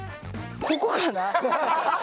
ここかな。